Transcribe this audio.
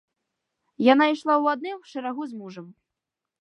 Яна ішла ў адным шэрагу з мужам.